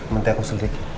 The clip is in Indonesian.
menti aku selidik